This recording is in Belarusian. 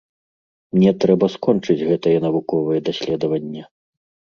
Мне трэба скончыць гэтае навуковае даследаванне.